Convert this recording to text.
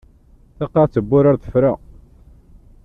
Taqaɛet n wurar tefra.